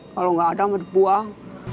kalau nggak ada berbuang